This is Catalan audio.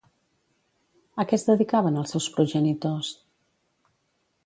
A què es dedicaven els seus progenitors?